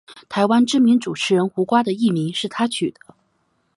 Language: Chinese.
台湾知名主持人胡瓜的艺名是他取的。